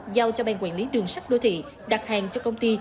giao cho ban quản lý đường sắt đô thị đặt hàng cho công ty